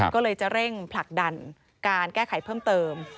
ก็เลยจะเร่งผลักดันการแก้ไขเพิ่มเติม